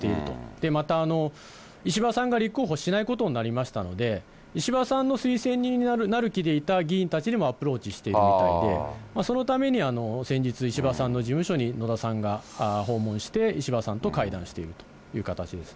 で、また石破さんが立候補しないことになりましたので、石破さんの推薦人になる気でいた議員たちにもアプローチしているみたいで、そのために先日、石破さんの事務所に野田さんが訪問して、石破さんと会談しているという形ですね。